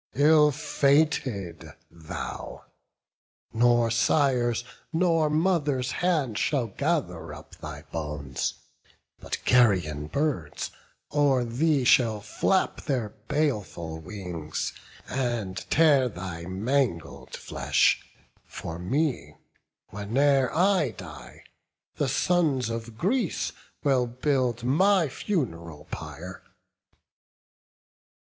Ill fated thou! nor sire's nor mother's hand Shall gather up thy bones, but carrion birds O'er thee shall flap their baleful wings, and tear Thy mangled flesh; for me, whene'er I die The sons of Greece will build my fun'ral pile."